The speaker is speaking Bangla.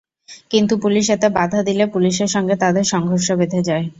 কিন্তু পুলিশ এতে বাধা দিলে পুলিশের সঙ্গে তাদের সংঘর্ষ বেধে যায়।